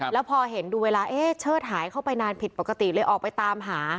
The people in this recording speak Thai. แล้วพอเห็นดูเวลาเอ๊ะเชิดหายเข้าไปนานผิดปกติเลยออกไปตามหา